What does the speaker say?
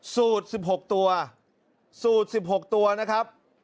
สูตร๑๖ตัวสูตร๑๖ตัวนะครับ